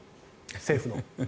政府の？